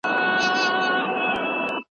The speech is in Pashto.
موږ باید د خپل پوهنتون ټول قوانین ومنو.